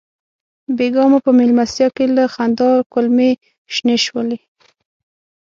بېګا مو په مېلمستیا کې له خندا کولمې شنې شولې.